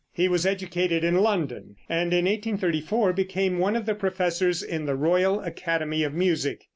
He was educated in London, and in 1834 became one of the professors in the Royal Academy of Music.